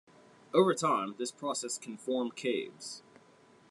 Over time, this process can form caves.